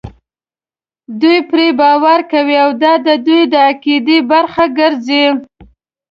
دوی پرې باور کوي او دا د دوی د عقیدې برخه ګرځي.